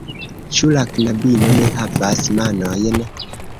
Ĉu la knabino ne havas manojn?